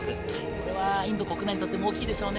これはインド国内にとっても大きいでしょうね。